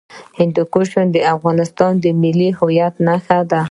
هندوکش د افغانستان د ملي هویت نښه ده.